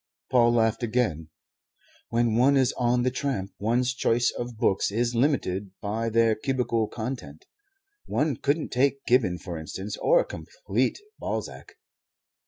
Paul laughed again. "When one is on the tramp one's choice of books is limited by their cubical content. One couldn't take Gibbon, for instance, or a complete Balzac."